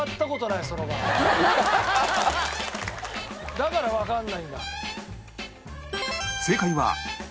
だからわからないんだ。